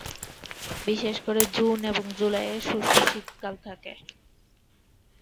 বিশেষ করে জুন এবং জুলাইয়ে শুষ্ক শীতকাল থাকে।